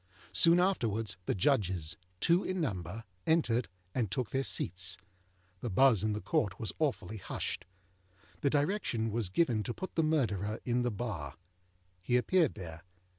Soon afterwards the Judges, two in number, entered, and took their seats. The buzz in the Court was awfully hushed. The direction was given to put the Murderer to the bar. He appeared there.